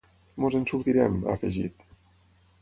Ens en sortirem, ha afegit.